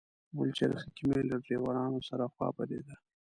په پلچرخي کې مې له ډریورانو سره خوا بدېده.